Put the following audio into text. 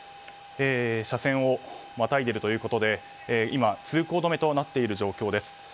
車線をまたいでいるということで今、通行止めとなっている状況です。